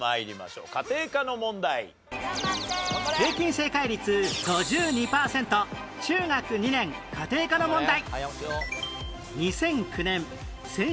平均正解率５２パーセント中学２年家庭科の問題